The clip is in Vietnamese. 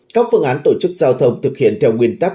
các phương án tổ chức giao thông thực hiện theo nguyên tắc